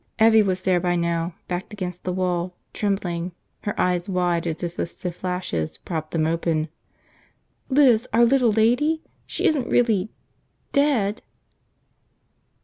Evvie was there by now, backed against the wall, trembling, her eyes wide as if the stiff lashes propped them open. "Liz, our little lady? She isn't really – dead?"